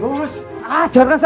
dek mas mas mas